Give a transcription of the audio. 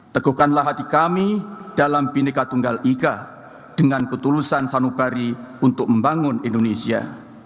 teguhkanlah hati kami dalam bineka tunggal ika dengan ketulusan sanubari untuk membangun indonesia